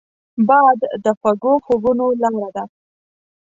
باد د خوږو خوبونو لاره ده